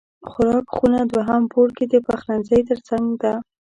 خوراک خونه دوهم پوړ کې د پخلنځی تر څنګ ده